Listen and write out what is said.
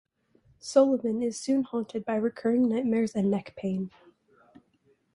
Sullivan is soon haunted by recurring nightmares and neck pain.